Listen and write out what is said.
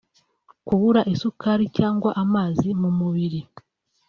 kubura isukari cyangwa amazi mu mubiri